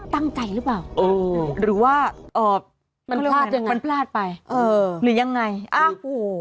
เออตั้งใจหรือเปล่าหรือว่ามันพลาดไปหรือยังไงอ้าว